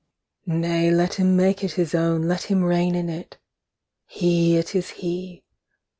2. Nay, let him make it his own. let him reign in it — he, it is he.